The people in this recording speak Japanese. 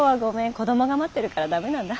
子供が待ってるから駄目なんだ。